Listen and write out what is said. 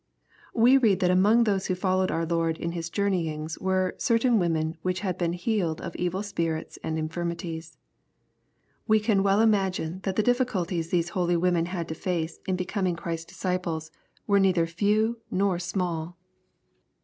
We read that among those who followed our Lord in his journeyings, were "certain women which had been healed of evil spirits and infirmities." We can well imagine that the difficulties these holy women had to face in becoming Christ's disciples were LUKE, CHAP. vin. 245 *■ neither few uor small.